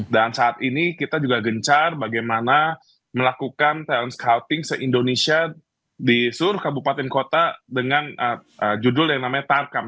dan di sini kita juga gencar bagaimana melakukan talent scouting se indonesia di seluruh kabupaten kota dengan judul yang namanya tarkam